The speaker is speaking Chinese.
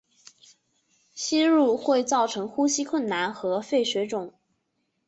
吸入会造成呼吸困难和肺水肿。